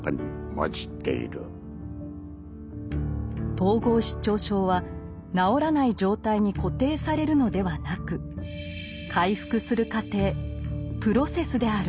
統合失調症は治らない「状態」に固定されるのではなく回復する「過程」プロセスである。